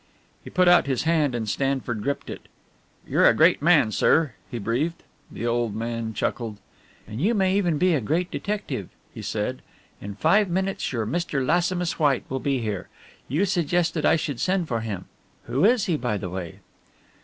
He put out his hand and Stanford gripped it. "You're a great man, sir," he breathed. The old man chuckled. "And you may even be a great detective," he said. "In five minutes your Mr. Lassimus White will be here. You suggested I should send for him who is he, by the way?"